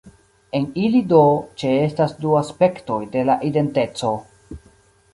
En ili, do, ĉeestas du aspektoj de la identeco.